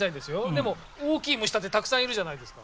でも大きい虫だってたくさんいるじゃないですか。